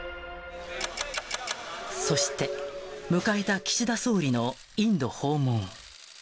そして、迎えた岸田総理のインド訪問。